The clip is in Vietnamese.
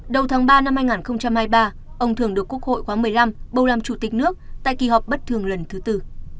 đầu tháng ba năm hai nghìn hai mươi ba ông thường được quốc hội khóa một mươi năm bầu làm chủ tịch nước tại kỳ họp bất thường lần thứ tư